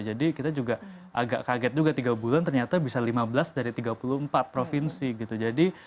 jadi kita juga agak kaget juga tiga bulan ternyata bisa lima belas dari tiga puluh empat provinsi gitu jadi